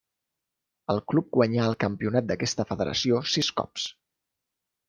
El club guanyà el campionat d'aquesta federació sis cops.